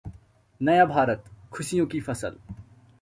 नया भारतः खुशियों की फसल